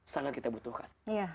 sangat kita butuhkan